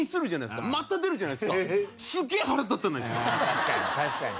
確かに確かに。